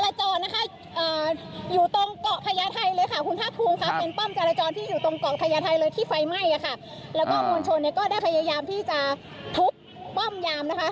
แล้วก็มวลชนเนี่ยก็ได้พยายามที่จะทุบป้อมยามนะคะ